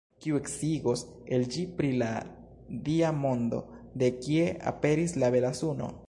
Kiu ekscios el ĝi pri la Dia mondo: De kie aperis la bela suno?